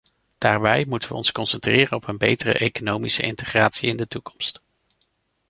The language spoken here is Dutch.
Daarbij moeten we ons concentreren op een betere economische integratie in de toekomst.